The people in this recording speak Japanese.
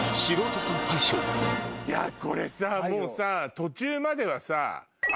これさもうさ途中までは。